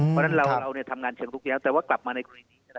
เพราะฉะนั้นเราทำงานเชิงลุกแล้วแต่ว่ากลับมาในกรณีนี้ใช่ไหม